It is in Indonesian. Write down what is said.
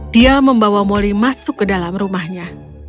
dia membawa moli masuk ke dalam rumahnya